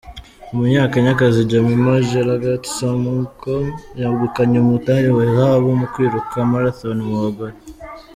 Umunyakenyakazi Jemima Jelagat Sumgong yegukanye umudari wa zahabu mu kwiruka marathon mu bagore.